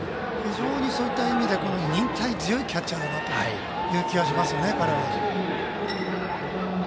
非常にそういった意味で忍耐強いキャッチャーだなという気がしますよね、彼は。